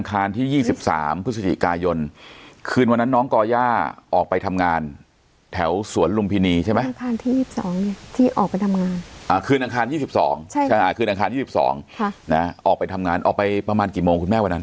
อ่าคืนอังคาร๒๒ค่ะออกไปทำงานออกไปประมาณกี่โมงคุณแม่วันนั้น